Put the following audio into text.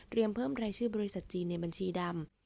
เพิ่มรายชื่อบริษัทจีนในบัญชีดำ